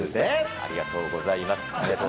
ありがとうございます。